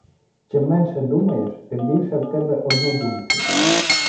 Чим менше думаєш, тим більше в тебе однодумців.